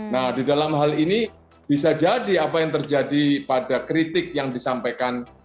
nah di dalam hal ini bisa jadi apa yang terjadi pada kritik yang disampaikan